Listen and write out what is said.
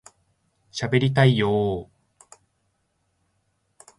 しゃべりたいよ～